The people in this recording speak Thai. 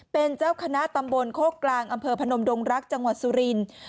เป็นเจ้าคณะตำบลโคกกลางอำเภอพนมดงรักจังหวัดสุรินทร์